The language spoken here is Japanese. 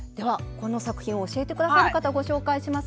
この作品を教えて下さる方ご紹介します。